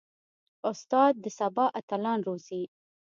استاد د سبا اتلان روزي.